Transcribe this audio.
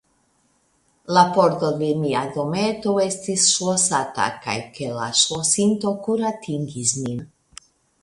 La pordo de mia dometo estis ŝlosata kaj ke la ŝlosinto kuratingis nin.